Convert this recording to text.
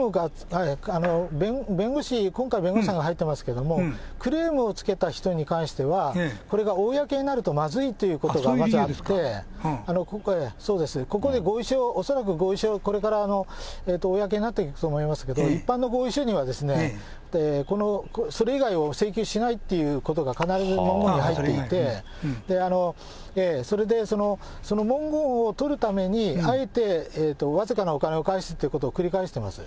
弁護士、今回、弁護士さんが入ってますけど、クレームをつけた人に関しては、これが公になるとまずいということがまずあって、今回、ここで合意書、恐らく合意書をこれから公になっていくと思いますけれども、一般の合意書には、それ以外を請求しないということが必ず文言に入っていて、それでその文言を取るために、あえて僅かなお金を返すということを繰り返してます。